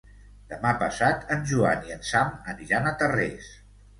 Demà passat en Joan i en Sam aniran a Tarrés.